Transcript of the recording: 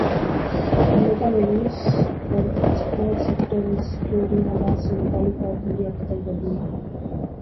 امریکا نے روس پرایکسپورٹ سیکٹر اور سیکورٹی آلات سے متعلق پابندیاں ختم کردی ہیں